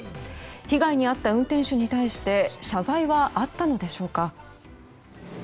被害に遭った運転手に対して謝罪はあったのでしょうか。